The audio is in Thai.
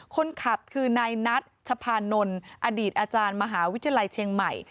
คนขับคือนายนัทชะพานนท์อดีตอาจารย์มหาวิทยาลัยเชียงใหม่